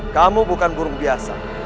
kamu bukan burung biasa